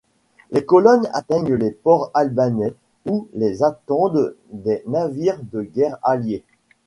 Les colonnes atteignent les ports albanais, où les attendent des navires de guerre alliés.